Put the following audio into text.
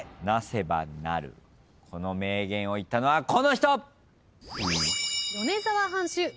この名言を言ったのはこの人。